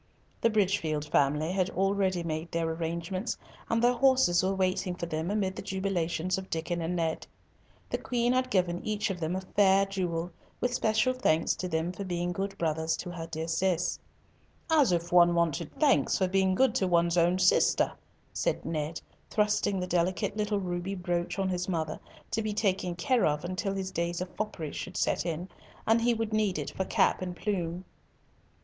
The Bridgefield family had already made their arrangements, and their horses were waiting for them amid the jubilations of Diccon and Ned. The Queen had given each of them a fair jewel, with special thanks to them for being good brothers to her dear Cis. "As if one wanted thanks for being good to one's own sister," said Ned, thrusting the delicate little ruby brooch on his mother to be taken care of till his days of foppery should set in, and he would need it for cap and plume.